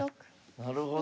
なるほど。